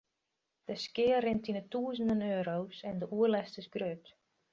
De skea rint yn 'e tûzenen euro's en de oerlêst is grut.